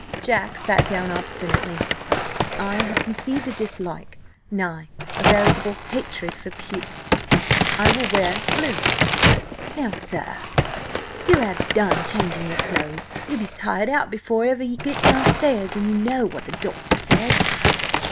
Jack sat down obstinately. "I have conceived a dislike–nay, a veritable hatred–for puce. I will wear blue." "Now, sir, do ha' done changing your clothes! Ye'll be tired out before ever ye get downstairs, and ye know what the doctor said."